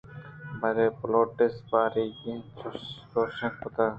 بلے پلوٹس ءِ باریگ ءَ چُش کُت